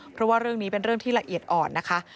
เพราะว่าเรื่องนี้เป็นเรื่องที่ละเอียดอ่อนนะคะ